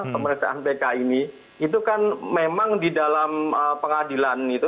pemeriksaan pk ini itu kan memang di dalam pengadilan itu